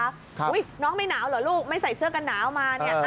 อุ๊ยน้องไม่หนาวเหรอลูกไม่ใส่เสื้อกันหนาวมา